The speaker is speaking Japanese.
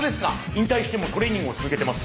引退してもトレーニングを続けてます。